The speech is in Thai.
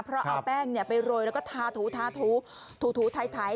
เพราะเอาแป้งไปโรยแล้วก็ทาถูทาถูถ่าย